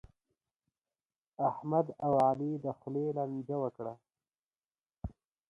احمد او علي د خولې لانجه وکړه.